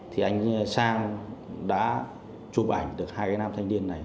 thì anh sang đã chụp ảnh được hai cái nam thanh niên này